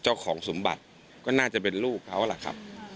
สมบัติก็น่าจะเป็นลูกเขาล่ะครับ